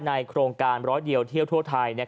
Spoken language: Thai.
ในโครงการร้อยเดียวเที่ยวทั่วไทย